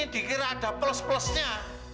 dikira ada plus plusnya